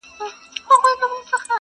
د سوځېدلو قلاګانو او ښارونو کوي!.